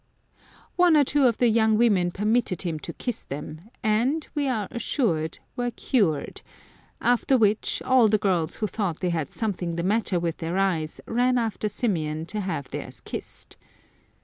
One or two of the young women permitted him to kiss them, and, we are assured, were cured ; after which, all the girls who thought they had something the matter with their eyes ran after Symeon to have theirs kissed.